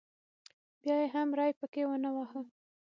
بیا یې هم ری پکې ونه واهه.